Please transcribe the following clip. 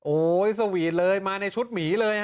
โอ้โหสวีทเลยมาในชุดหมีเลย